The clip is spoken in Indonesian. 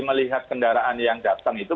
melihat kendaraan yang datang itu